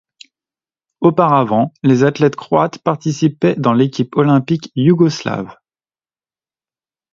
Auparavant, les athlètes croates participaient dans l'équipe olympique yougoslave.